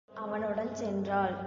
ஆகவே அவனுடன் சென்றாள்.